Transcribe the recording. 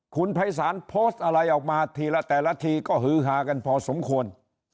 คุณภัยศาลโพสต์อะไรออกมาทีละแต่ละทีก็ฮือฮากันพอสมควร